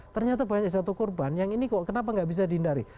ternyata banyak satu korban yang ini kok kenapa nggak bisa dihindari